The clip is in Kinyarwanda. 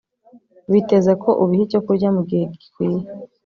biteze ko ubiha icyo kurya mu gihe gikwiye